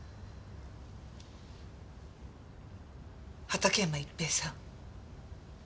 畑山逸平さん。